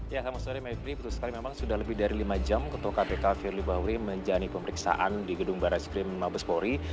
ya selamat sore mabry betul sekali memang sudah lebih dari lima jam ketua kpk firly bahuri menjani pemeriksaan di gedung baras krim mabes polri